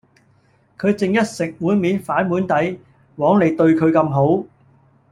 佢正一食碗面反碗底！枉你對佢咁好